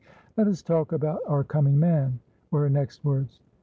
"Let us talk about our coming man," were her next words.